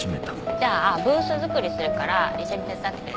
じゃあブースづくりするから一緒に手伝ってくれる？